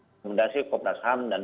rekomendasi komnas ham dan